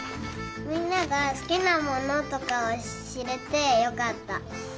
みんながすきなものとかをしれてよかった。